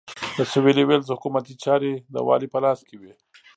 د سوېلي ویلز حکومتي چارې د والي په لاس کې وې.